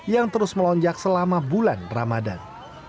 yang terus melonjak selama bulan ramadan